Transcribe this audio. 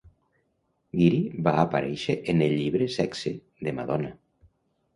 Geary va aparèixer en el llibre "Sexe" de Madonna.